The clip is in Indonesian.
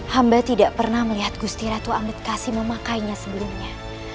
hamba tidak pernah melihat gusti ratu amerikasi memakainya sebelumnya